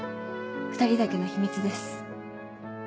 ２人だけの秘密です。